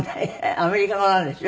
アメリカ語なんでしょ？